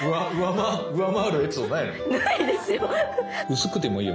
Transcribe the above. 薄くてもいいよ。